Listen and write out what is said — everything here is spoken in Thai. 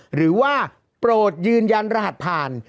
หรือว่าโปรดยืนยันรหัสผ่าน